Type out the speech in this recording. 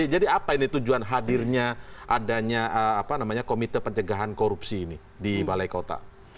jadi apa ini tujuan hadirnya komite pencegahan korupsi di balai kota